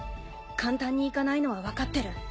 簡単にいかないのはわかってる。